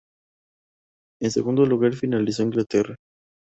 En segundo lugar finalizó Inglaterra.